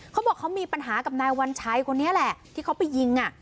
เขาบอกเขามีปัญหากับนายวัญชัยคนนี้แหละที่เขาไปยิงอ่ะ